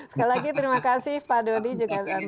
sekali lagi terima kasih pak dodi juga